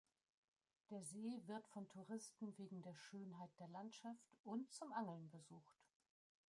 Der See wird von Touristen wegen der Schönheit der Landschaft und zum Angeln besucht.